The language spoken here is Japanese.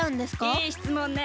いいしつもんね。